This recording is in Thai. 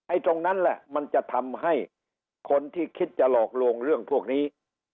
ตรงนั้นแหละมันจะทำให้คนที่คิดจะหลอกลวงเรื่องพวกนี้